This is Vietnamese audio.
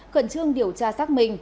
khẩn trương điều tra xác minh